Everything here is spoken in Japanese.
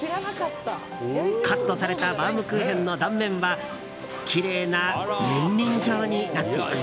カットされたバウムクーヘンの断面はきれいな年輪状になっています。